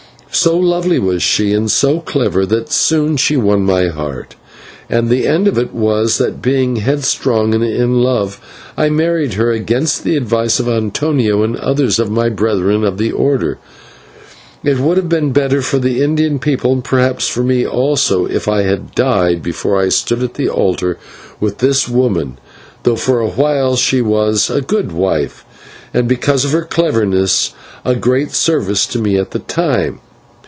So lovely was she and so clever, that soon she won my heart, and the end of it was that, being headstrong and in love, I married her, against the advice of Antonio and others of my brethren of the Order. It would have been better for the Indian people, and perhaps for me also, if I had died before I stood at the altar with this woman, though for a while she was a good wife, and, because of her cleverness, of great service to me at that time.